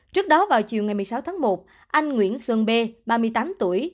trước đó vào chiều ngày một mươi sáu tháng một anh nguyễn xuân b ba mươi tám tuổi